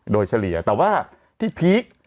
โดยเฉลี่ยแต่ว่าที่พีค